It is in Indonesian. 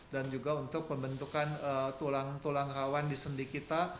dan juga untuk pembentukan tulang tulang rawan di sendi kita